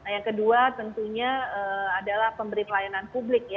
yang kedua tentunya adalah pemberi pelayanan publik ya